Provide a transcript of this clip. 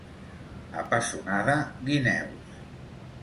A Pessonada, guineus.